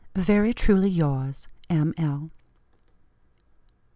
"Very truly yours, M. L."